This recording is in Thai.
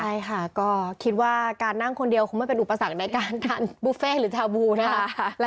ใช่ค่ะก็คิดว่าการนั่งคนเดียวคงไม่เป็นอุปสรรคในการทานบุฟเฟ่หรือทาบูนะคะ